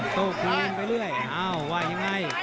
โต้คืนไปเรื่อยอ้าวว่ายังไง